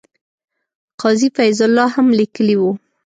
قاضي فیض الله هم لیکلي وو.